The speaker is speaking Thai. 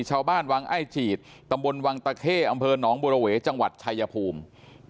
ชาวบ้านวังไอ้จีดตำบลวังตะเข้อำเภอหนองบัวระเวจังหวัดชายภูมิ